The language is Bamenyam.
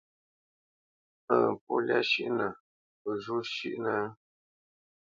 Ǝ̂ŋ, pó lyá shʉ́ʼnǝ, ó zhû shʉ́ʼnǝ ?